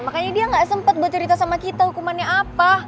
makanya dia gak sempat buat cerita sama kita hukumannya apa